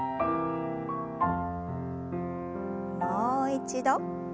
もう一度。